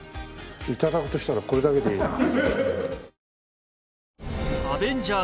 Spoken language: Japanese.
頂くとしたらこれだけでいいな。